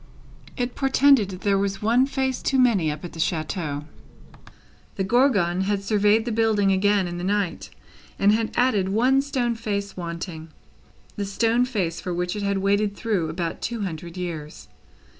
It portended that there was one stone face too many, up at the chateau. The Gorgon had surveyed the building again in the night, and had added the one stone face wanting; the stone face for which it had waited through about two hundred years.